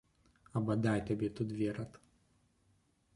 А бадай табе тут верад!